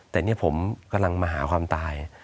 แต่นี่ผมกำลังมาหาความตาย